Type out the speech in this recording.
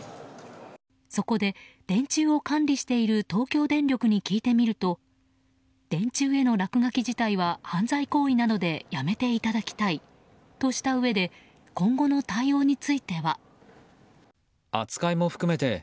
そこで電柱を管理している東京電力に聞いてみると電柱への落書き自体は犯罪行為なのでやめていただきたいとしたうえで今後の対応については。